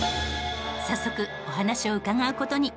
早速お話を伺う事に。